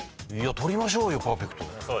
取りましょうよパーフェクト。